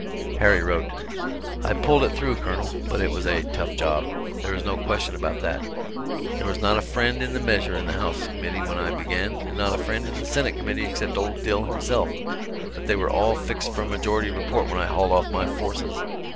Harry wrote: "I pulled it through, Colonel, but it was a tough job, there is no question about that. There was not a friend to the measure in the House committee when I began, and not a friend in the Senate committee except old Dil himself, but they were all fixed for a majority report when I hauled off my forces.